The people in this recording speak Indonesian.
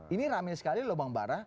ini rame sekali loh bang bara